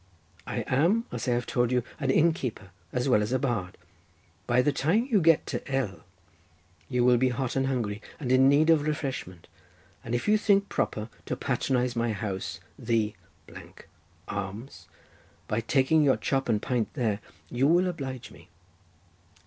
I am, as I have told you, an innkeeper as well as a bard. By the time you get to L— you will be hot and hungry and in need of refreshment, and if you think proper to patronize my house, the — Arms by taking your chop and pint there, you will oblige me.